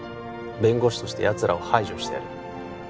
弁護士としてやつらを排除してやる